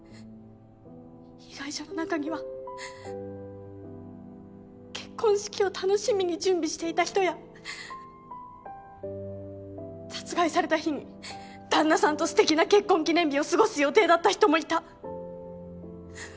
被害者の中には結婚式を楽しみに準備していた人や殺害された日に旦那さんと素敵な結婚記念日を過ごす予定だった人もいた。